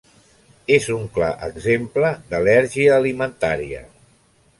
És un clar exemple d'al·lèrgia alimentària.